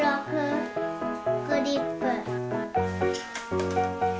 クリップ。